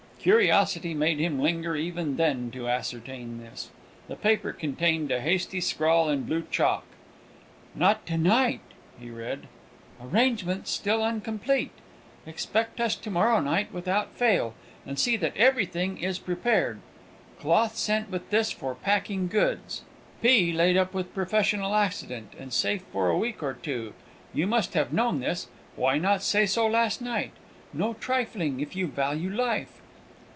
Curiosity made him linger even then to ascertain this. The paper contained a hasty scrawl in blue chalk. "Not to night," he read; "_arrangements still uncomplete. Expect us to morrow night without fail, and see that everything is prepared. Cloth sent with this for packing goods. P laid up with professional accident, and safe for a week or two. You must have known this why not say so last night? No trifling, if you value life!